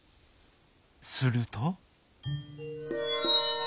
すると。